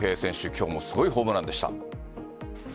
今日もすごいホームランでした。